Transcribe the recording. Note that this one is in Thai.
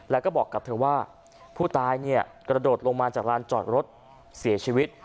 แล้วก็บอกกับเธอว่าผู้ตายเนี่ยกระโดดลงมาจากลานจอดรถเสียชีวิต